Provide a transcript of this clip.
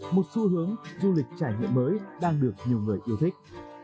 một xu hướng du lịch trải nghiệm mới đang được nhiều người yêu thích